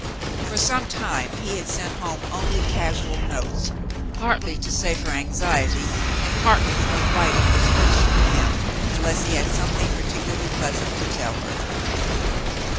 For some time he had sent home only casual notes, partly to save her anxiety, and partly be cause writing was irksome to him unless he had some thing particularly pleasant to tell her.